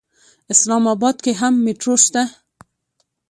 اسلام اباد کې هم میټرو شته.